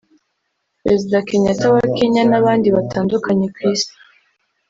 Perezida Kenyatta wa Kenya n’abandi batandukanye ku Isi